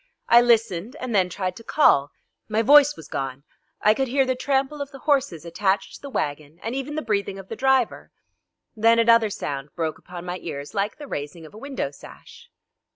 I listened and then tried to call. My voice was gone. I could hear the trample of the horses attached to the wagon, and even the breathing of the driver. Then another sound broke upon my ears like the raising of a window sash.